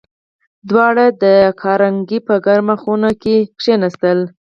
دواړه د کارنګي په ګرمه خونه کې کېناستل